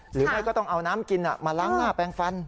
หรือไม่ก็ต้องเอาน้ำกินมาล้างหน้าแปลงฟัน